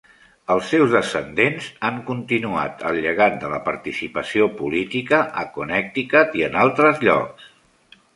Els seus descendents han continuat el llegat de la participació política a Connecticut i en altres llocs.